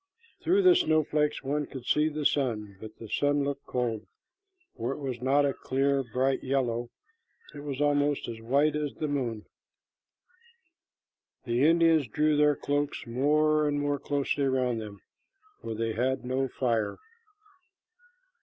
Through the snowflakes one could see the sun, but the sun looked cold, for it was not a clear, bright yellow. It was almost as white as the moon. The Indians drew their cloaks more and more closely around them, for they had no fire.